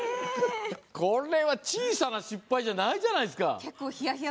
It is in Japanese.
これは小さな失敗じゃないじゃないですか。